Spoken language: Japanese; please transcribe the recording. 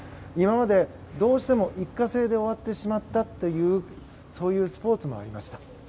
今までどうしても一過性で終わってしまったというそういうスポーツもありました。